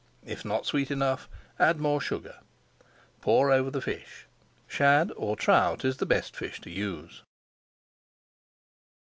If not sweet enough, add more sugar. [Page 485] Pour over the fish. Shad or trout is the best fish to use.